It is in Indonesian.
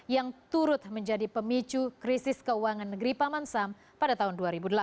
yang turut menjadi pemicu krisis keuangan negeri paman sam pada tahun dua ribu delapan